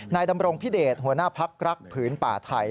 นายดำรงพิเดชหัวหน้าภักดิ์รักษ์พื้นป่าไทย